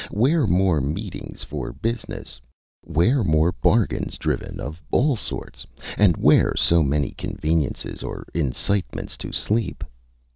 Where more meetings for business? Where more bargains driven of all sorts? And where so many conveniences or incitements to sleep?